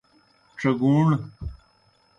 ڇیگُوݨ۔